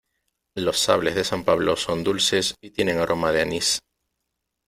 Los sables de San Pablo son dulces y tienen aroma de anís.